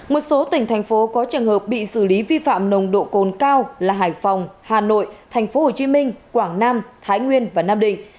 một số tỉnh thành phố có trường hợp bị xử lý vi phạm nồng độ cồn cao là hải phòng hà nội tp hcm quảng nam thái nguyên và nam định